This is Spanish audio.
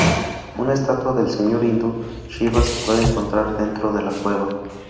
Una estatua del señor hindú Shiva se puede encontrar dentro de la cueva.